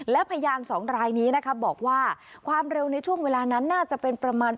และพยานสองรายนี้นะคะบอกว่าความเร็วในช่วงเวลานั้นน่าจะเป็นประมาณ